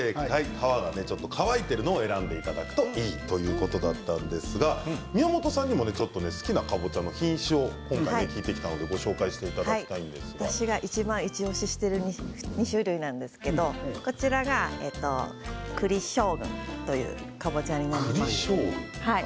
皮がちょっと乾いているのを選んでいただくといいということだったんですが宮本さんにも、好きなかぼちゃの品種を今回聞いてきたので私がいちばんイチおししている２種類なんですがこちらが、くり将軍という、かぼちゃになります。